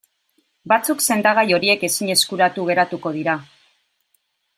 Batzuk sendagai horiek ezin eskuratu geratuko dira.